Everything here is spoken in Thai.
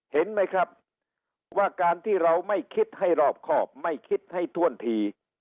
เห็นไหมครับว่าการที่เราไม่คิดให้รอบครอบไม่คิดให้ถ้วนที